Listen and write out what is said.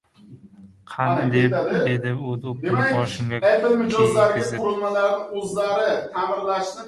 — Qani, — dedi u do‘ppini boshimga kiygizib.